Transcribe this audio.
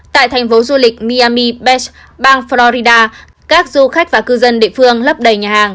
tại thành phố du lịch miami bes bang florida các du khách và cư dân địa phương lấp đầy nhà hàng